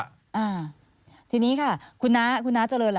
อ่าทีนี้ค่ะคุณน้าเจริญล่ะ